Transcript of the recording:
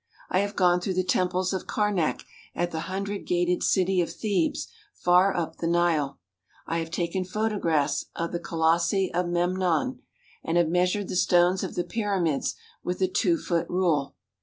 I have gone through the Temples of Karnak at the hundred gated city of Thebes far up the Nile; I have taken photographs of the Colossi of Memnon, and have measured the stones of the Pyramids with a two foot rule.